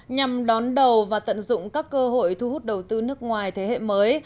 nhằm đón đầu và tận dụng các cơ hội thu hút đầu tư nước ngoài thế hệ mới